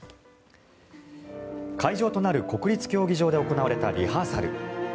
会場となる国立競技場で行われたリハーサル。